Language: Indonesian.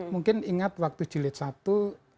mungkin ingat waktu jilid satu